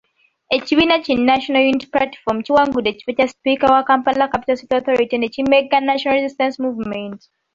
Ekibiina ki National Unity Platform kiwangudde ekifo kya sipiika wa Kampala Capital City Authority ne kimegga National Resistance Movement.